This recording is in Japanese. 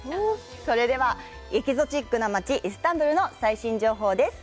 それでは、エキゾチックな街、イスタンブールの最新情報です。